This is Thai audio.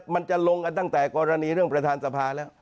มันจะลงกันตั้งแต่กรณีเรื่องประธานสภาแล้ว